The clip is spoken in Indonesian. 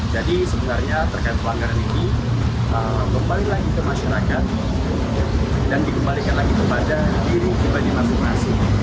jadi sebenarnya terkait pelanggaran ini kembali lagi ke masyarakat dan dikembalikan lagi kepada diri kepada informasi